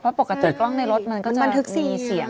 เพราะปกติกล้องในรถมันก็จะมีเสียง